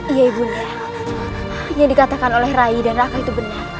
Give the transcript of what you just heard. iya ibu nda yang dikatakan oleh rai dan raka itu benar